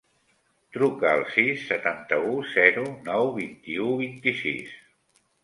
Truca al sis, setanta-u, zero, nou, vint-i-u, vint-i-sis.